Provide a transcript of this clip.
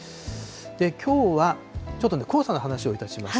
きょうはちょっとね、黄砂の話をいたします。